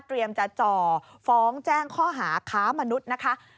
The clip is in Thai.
จะจ่อฟ้องแจ้งข้อหาค้ามนุษย์นะคะ